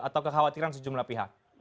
atau kekhawatiran sejumlah pihak